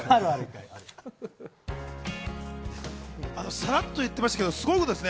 さらっと言ってましたけどすごいですよね。